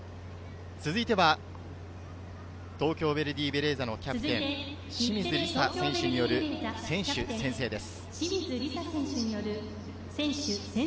続いては、東京ヴェルディベレーザのキャプテン・清水梨紗選手による選手宣誓です。